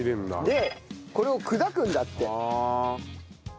でこれを砕くんだって。